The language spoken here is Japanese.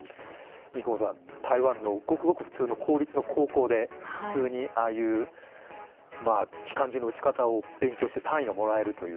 台湾のごくごく普通の高校で普通にああいう機関銃の撃ち方を勉強して単位がもらえるという。